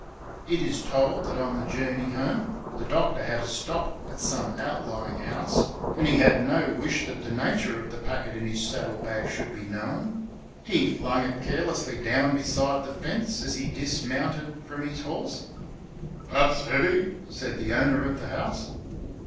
It is told that on the journey home the Doctor had to stop at some outlying house, and he had no wish that the nature of the packet in his saddlebag should be known. He flung it carelessly down beside the fence as he dismounted from his horse. "That's heavy," said the owner of the house.